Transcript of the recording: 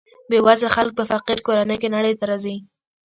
بې وزله خلک په فقیر کورنیو کې نړۍ ته راځي.